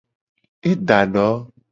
E da do.